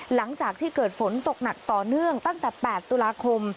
หลังจากที่เกิดฝนตกหนักต่อเนื่องตั้งแต่๘ตุลาคม